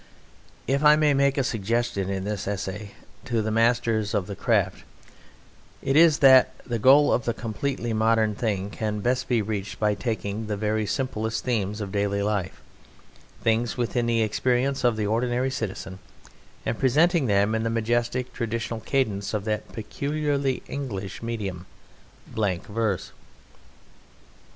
If I may make a suggestion in this essay to the masters of the craft it is that the goal of the completely modern thing can best be reached by taking the very simplest themes of daily life things within the experience of the ordinary citizen and presenting them in the majestic traditional cadence of that peculiarly English medium, blank verse.